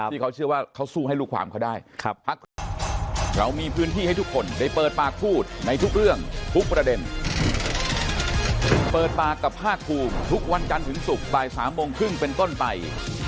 ที่เขาเชื่อว่าเขาสู้ให้ลูกความเขาได้ครับ